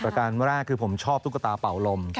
การแรกคือผมชอบตุ๊กตาเป่าลม